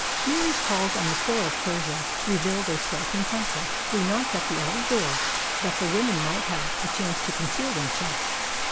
New Year's calls on the poor of Persia revealed a striking contrast. We knocked at the outer door, that the women might have a chance to conceal themselves.